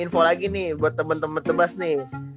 info lagi nih buat temen temen tebas nih